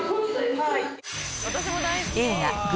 はい。